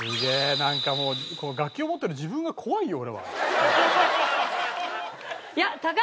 なんかもう楽器を持ってる自分が怖いよ俺は。